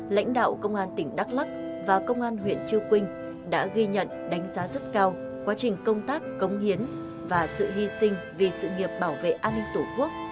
lãnh đạo công an tỉnh đắk lắc và công an huyện chư quynh đã ghi nhận đánh giá rất cao quá trình công tác cống hiến và sự hy sinh vì sự nghiệp bảo vệ an ninh tổ quốc